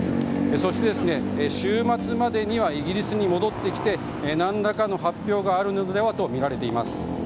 そして週末までにはイギリスに戻ってきて何らかの発表があるのではとみられています。